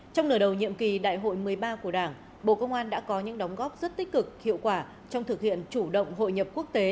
trong nửa đầu nhiệm kỳ đại hội một mươi ba của đảng bộ công an đã có những đóng góp rất tích cực hiệu quả trong thực hiện chủ động hội nhập quốc tế